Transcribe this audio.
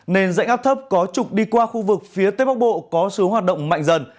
nên dạnh áp thấp có trục đi qua khu vực phía tây bắc bộ có xu hoạt động mạnh dần